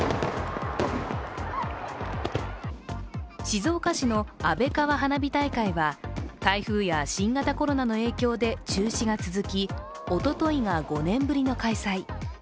静岡市の安倍川花火大会は台風や新型コロナの影響で中止が続きおとといが５年ぶりの開催。